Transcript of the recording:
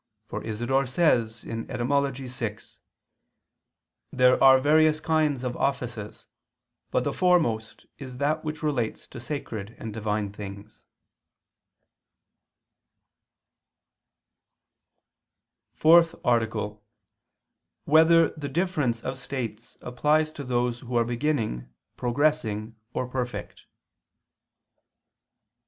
For Isidore says (Etym. vi): "There are various kinds of offices; but the foremost is that which relates to sacred and Divine things." _______________________ FOURTH ARTICLE [II II, Q. 183, Art. 4] Whether the Difference of States Applies to Those Who Are Beginning, Progressing, or Perfect?